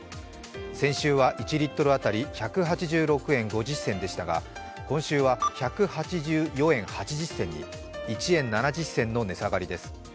先週は１リットル当たり１８６円５０銭でしたが今週は１８４円８０銭に、１円７０銭の値下がりです。